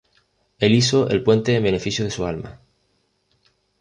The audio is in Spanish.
El hizo el puente en beneficio de su alma.